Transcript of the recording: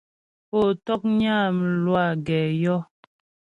Pó ntɔ̌knyə́ a mlwâ gɛ yɔ́.